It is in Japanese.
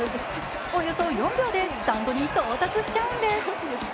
およそ４秒でスタンドに到達しちゃうんです。